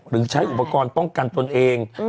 หรือใช้อุปกรณ์ป้องกันตนเอง